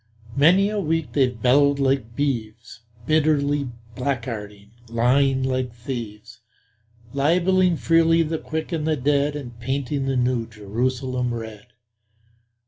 Many a week they've bellowed like beeves, Bitterly blackguarding, lying like thieves, Libeling freely the quick and the dead And painting the New Jerusalem red.